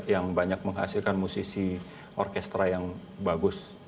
yang banyak menghasilkan musisi orkestra yang bagus